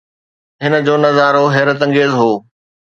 هن جو نظارو حيرت انگيز هو.